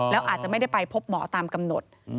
แล้วอาจจะไม่ได้ไปพบหมอตามกำหนด